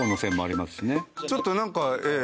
ちょっとなんかええ。